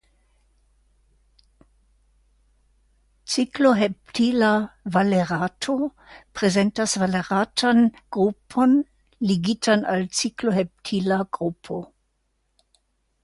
Cikloheptila valerato prezentas valeratan grupon ligitan al cikloheptilan grupo.